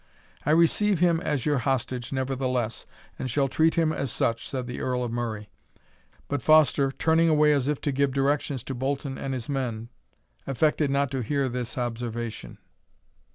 "I receive him as your hostage, nevertheless, and shall treat him as such," said the Earl of Murray. But Foster, turning away as if to give directions to Bolton and his men, affected not to hear this observation.